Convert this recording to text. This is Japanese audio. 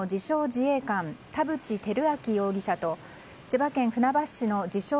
自衛官田渕照明容疑者と千葉県船橋市の自称